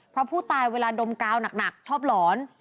เพราะผู้ตายเวลาดมกาวหนักชอบหลอน